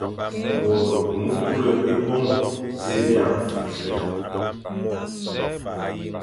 Môr ke kôm kul ébôñe, nzè e ya abmum dia.